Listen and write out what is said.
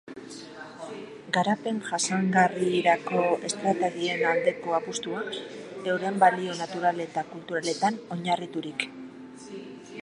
Garapen jasangarrirako estrategien aldeko apustua, euren balio natural eta kulturaletan oinarriturik.